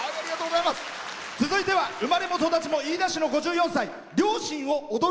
生まれも育ちも飯田市の５４歳。